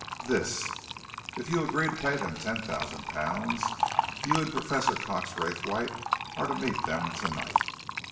"This. If you agree to pay them ten thousand pounds, you and Professor Cox Raythwaite are to meet them tonight.